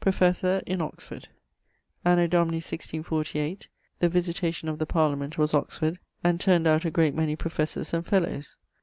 <_Professor in Oxford._> Anno Domini <1648> the Visitation of the Parliament was Oxford, and turned out a great many professors and fellowes.